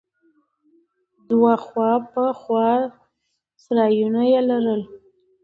دوه خوا په خوا سرايونه يې لرل.